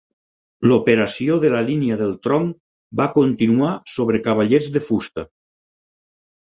L'operació de la línia del tronc va continuar sobre cavallets de fusta.